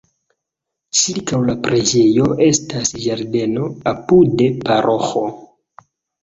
Ĉirkaŭ la preĝejo estas ĝardeno, apude paroĥo.